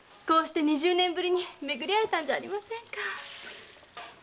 こうして二十年ぶりに巡り会えたんじゃありませんか。